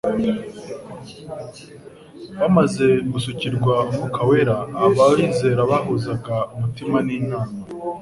Bamaze gusukirwa Umwuka wera «abizera bahuzaga umutima n'inama